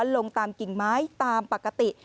ลงตามกิ่งไม้ตามปกติ